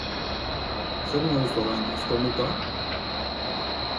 Zer moduz orain, ezkonduta?